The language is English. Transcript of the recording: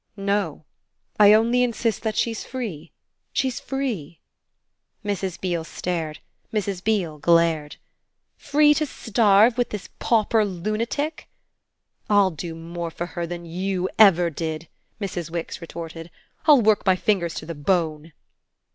"No; I only insist that she's free she's free." Mrs. Beale stared Mrs. Beale glared. "Free to starve with this pauper lunatic?" "I'll do more for her than YOU ever did!" Mrs. Wix retorted. "I'll work my fingers to the bone."